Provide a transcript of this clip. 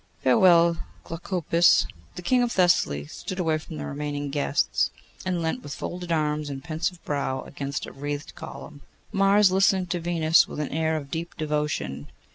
'Farewell, Glaucopis.' The King of Thessaly stood away from the remaining guests, and leant with folded arms and pensive brow against a wreathed column. Mars listened to Venus with an air of deep devotion.